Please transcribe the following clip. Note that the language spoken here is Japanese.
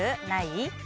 ない？